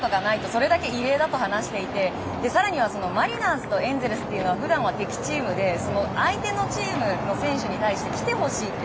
それだけ異例だと話していて更にはマリナーズとエンゼルスは普段は敵チームで相手のチームの選手に対して来てほしいって。